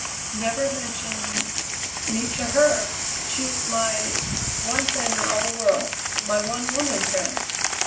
"Never mention me to her! She is my one friend in all the world; my one woman friend."